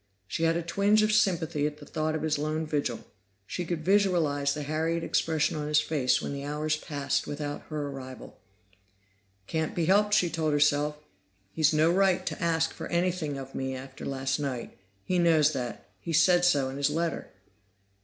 She had a twinge of sympathy at the thought of his lone vigil; she could visualize the harried expression on his face when the hours passed without her arrival. "Can't be helped," she told herself. "He's no right to ask for anything of me after last night. He knows that; he said so in his letter."